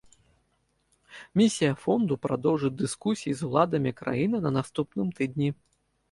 Місія фонду прадоўжыць дыскусіі з уладамі краіны на наступным тыдні.